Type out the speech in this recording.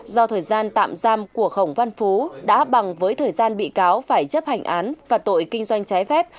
do thời gian tạm giam của khổng văn phú đã bằng với thời gian bị cáo phải chấp hành án và tội kinh doanh trái phép